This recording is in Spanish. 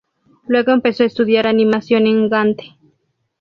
Luego empezó a estudiar animación en Gante.